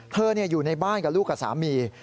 อยู่ในบ้านกับลูกกับสามี